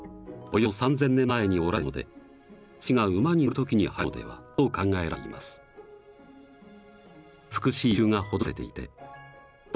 およそ３，０００年前に織られたもので戦士が馬に乗る時にはいたのではと考えられています。